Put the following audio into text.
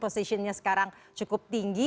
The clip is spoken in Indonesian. positionnya sekarang cukup tinggi